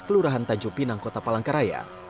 kelurahan tanjupinang kota palangkaraya